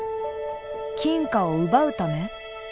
金貨を奪うため？